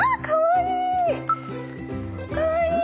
かわいい。